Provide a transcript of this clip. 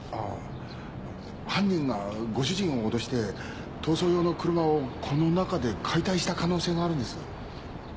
犯人がご主人を脅して逃走用の車をこの中で解体した可能性があるんです。